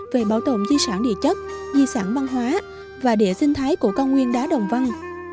về bảo tồn di sản địa chất di sản văn hóa và địa sinh thái của cao nguyên đá đồng văn